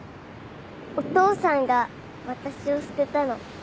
お父さんが私を捨てたの。